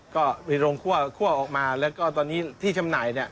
ก็มีโรงคั่วคั่วออกมาแล้วก็ตอนนี้ที่จำหน่ายเนี่ย